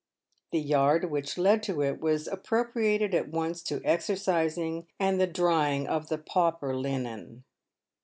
The yard which led to it was appropriated at once to exercising and the drying of the pauper linen.